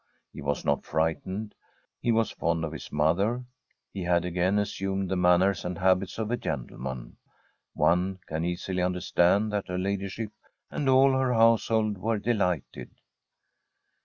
He was not frightened ; he was fond of his mother ; he had again assumed the manners and habits of a gentleman. One can easily understand that her ladyship and all her household were de lighted.'